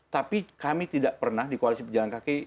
tapi kami tidak pernah di koalisi pejalan kaki